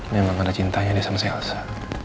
memang ada cintanya dia sama selsa